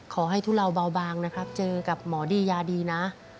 ทุเลาเบาบางนะครับเจอกับหมอดียาดีนะ